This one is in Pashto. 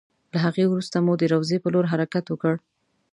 له هغې وروسته مو د روضې په لور حرکت وکړ.